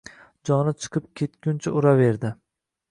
Joni chiqib ketguncha uraverdi!..